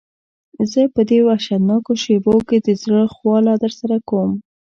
زه په دې وحشتناکو شېبو کې د زړه خواله درسره کوم.